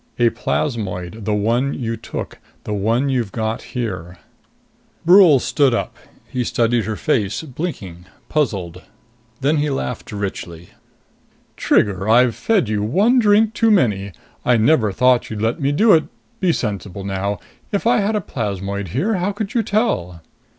"A plasmoid. The one you took. The one you've got here." Brule stood up. He studied her face, blinking, puzzled. Then he laughed, richly. "Trigger, I've fed you one drink too many! I never thought you'd let me do it. Be sensible now if I had a plasmoid here, how could you tell?"